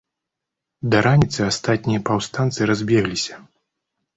Да раніцы астатнія паўстанцы разбегліся.